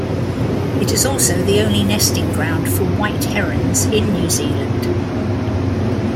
It is also the only nesting ground for white herons in New Zealand.